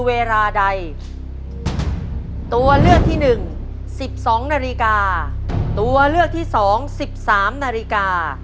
เวลาใดตัวเลือกที่หนึ่ง๑๒นาฬิกาตัวเลือกที่สอง๑๓นาฬิกา